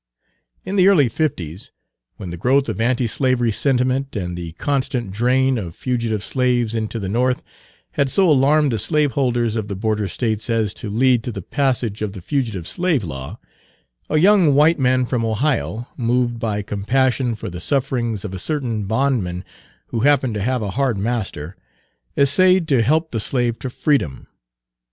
In the early fifties, when the growth of anti slavery sentiment and the constant drain of fugitive slaves into the North had so alarmed the slaveholders of the border States as to lead to the passage of the Fugitive Slave Law, a young white man from Ohio, moved by compassion for the sufferings of a certain bondman who happened to have a "hard master," essayed to help the slave to freedom.